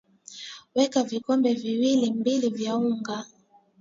weka vikombe viwili mbili vya unga